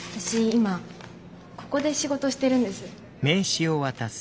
今ここで仕事してるんです。